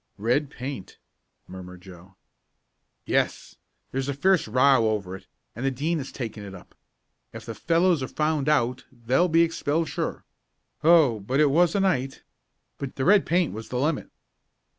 "Red paint?" murmured Joe. "Yes. There's a fierce row over it, and the Dean has taken it up. If the fellows are found out they'll be expelled sure. Oh, but it was a night! But the red paint was the limit."